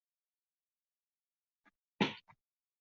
为上海轨道交通十号线的地下车站。